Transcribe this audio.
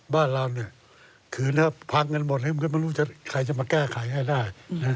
บ้านเราเนี่ยขืนพังกันหมดเลยมันก็ไม่รู้จะใครจะมาแก้ไขให้ได้